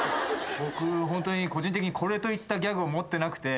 僕ホントに個人的にこれといったギャグを持ってなくて。